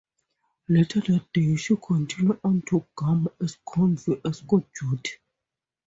Later that day, she continued on to Guam as convoy escort duty.